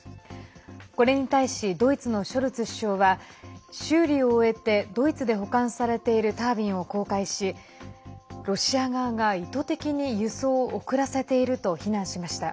これに対しドイツのショルツ首相は修理を終えてドイツで保管されているタービンを公開しロシア側が意図的に輸送を遅らせていると非難しました。